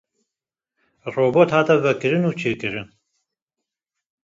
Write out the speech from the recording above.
Robot hat vekirin û çêkirin